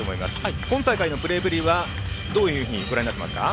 今大会のプレーぶりはどんなふうにご覧になっていますか？